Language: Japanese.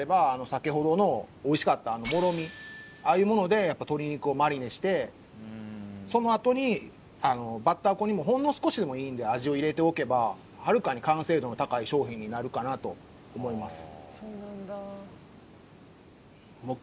先ほどのおいしかったあのもろみああいうものでやっぱ鶏肉をマリネしてそのあとにあのバッター粉にもほんの少しでもいいんで味を入れておけばはるかに完成度の高い商品になるかなと思います